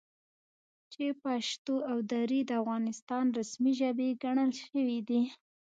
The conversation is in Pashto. چې پښتو او دري د افغانستان رسمي ژبې ګڼل شوي دي،